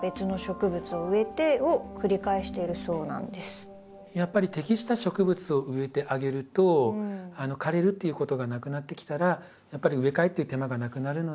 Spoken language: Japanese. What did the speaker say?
ハラミさんによるとやっぱり適した植物を植えてあげると枯れるっていうことがなくなってきたらやっぱり植え替えっていう手間がなくなるので。